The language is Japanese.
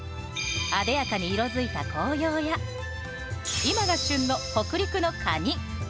あでやかに色づいた紅葉や今が旬の北陸のカニ。